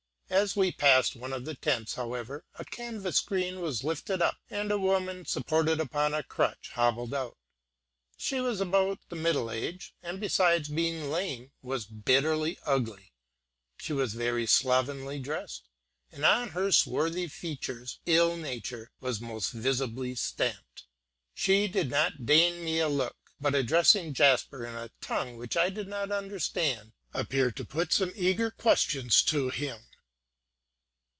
As we passed one of the tents, however, a canvas screen was lifted up, and a woman supported upon a crutch hobbled out. She was about the middle age, and besides being lame, was bitterly ugly; she was very slovenly dressed, and on her swarthy features ill nature was most visibly stamped. She did not deign me a look, but addressing Jasper in a tongue which I did not understand, appeared to put some eager questions to him.